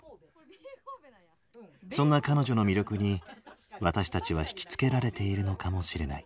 そんな彼女の魅力に私たちは惹きつけられているのかもしれない。